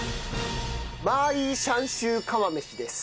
マーイーシャンシュー釜飯です。